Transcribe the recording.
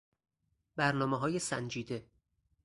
برنامههای سنجیده